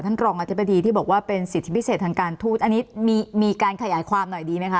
รองอธิบดีที่บอกว่าเป็นสิทธิพิเศษทางการทูตอันนี้มีการขยายความหน่อยดีไหมคะ